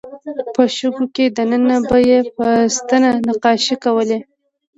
په شګو کې دننه به یې په ستنه نقاشۍ کولې.